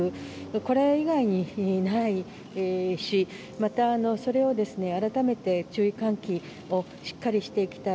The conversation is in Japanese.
これ以外にないしまた、それを改めて注意喚起をしっかりしていきたい。